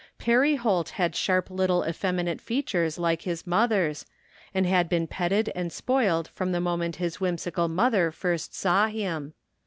Perry Holt had sharp little effeminate features like his mother's, and had been petted and spoiled from the moment his whimsical mother first saw him.